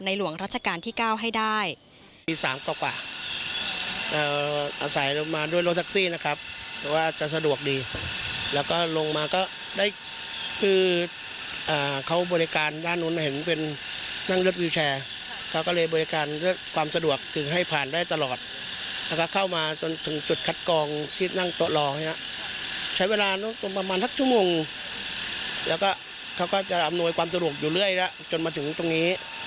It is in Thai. หลวงรัชกาลที่๙ให้ได้